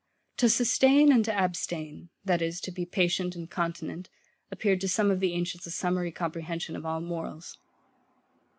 To SUSTAIN and to ABSTAIN, that is, to be patient and continent, appeared to some of the ancients a summary comprehension of all morals.